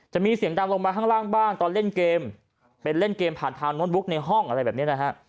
จะมีเสียงดังลงมาข้างล่างบ้างตอนเล่นเกมเป็นเล่นเกมผ่านทางโน้ตบุ๊กในห้องอะไรแบบนี้นะฮะ